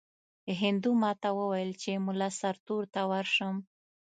هندو ماته وویل چې مُلا سرتور ته ورشم.